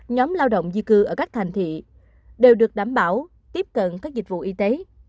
nhóm lao động di cư ở các thành thị đều được đảm bảo tiếp cận các dịch vụ y tế